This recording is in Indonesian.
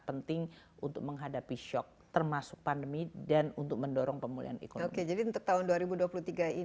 penting untuk menghadapi shock termasuk pandemi dan untuk mendorong pemulihan ekonomi jadi untuk